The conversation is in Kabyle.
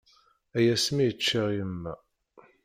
Ay asmi i ččiɣ yemma!